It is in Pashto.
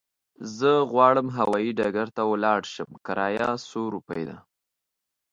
زه غواړم هوايي ډګر ته ولاړ شم، کرايه څو روپی ده؟